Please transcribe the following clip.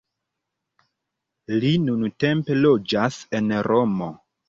Li nuntempe loĝas en Romo.